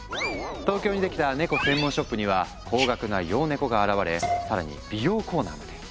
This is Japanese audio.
東京にできたネコ専門ショップには高額な洋ネコが現れ更に美容コーナーまで！